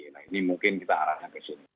nah ini mungkin kita arahnya ke sini